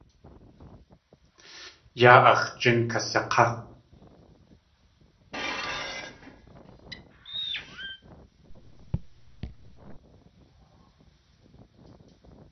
Yáa ax̲ jín kasak̲á!